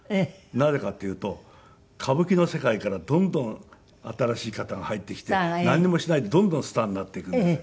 なぜかっていうと歌舞伎の世界からどんどん新しい方が入ってきてなんにもしないでどんどんスターになっていくんです。